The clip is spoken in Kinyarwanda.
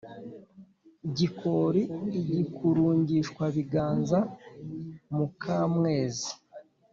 " gikoli igikurungishwabiganza muka mwezi.